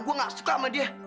gue gak suka sama dia